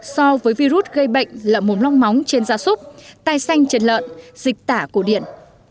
so với virus gây bệnh lợn mồm long móng trên da súc tai xanh trên lợn dịch tả cổ điện